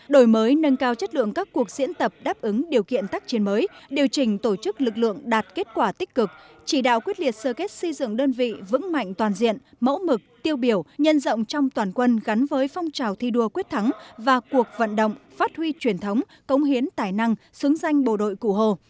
đổi mới nâng cao chất lượng các cuộc diễn tập đáp ứng điều kiện tác chiến mới điều chỉnh tổ chức lực lượng đạt kết quả tích cực chỉ đạo quyết liệt sơ kết xây dựng đơn vị vững mạnh toàn diện mẫu mực tiêu biểu nhân rộng trong toàn quân gắn với phong trào thi đua quyết thắng và cuộc vận động phát huy truyền thống công hiến tài năng xứng danh bộ đội cụ hồ